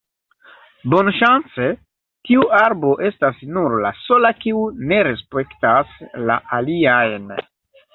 Bonŝance, tiu arbo estas nur la sola kiu ne respektas la aliajn.